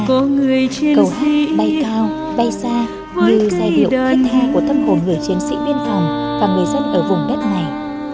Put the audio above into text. cầu hát bay cao bay xa như giai điệu thiết tha của thâm hồn người chiến sĩ biên phòng và người dân ở vùng đất này